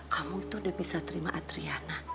kamu tuh udah bisa terima atriana